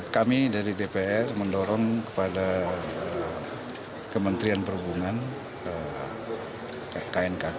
kami dari dpr mendorong kepada kementerian perhubungan knkt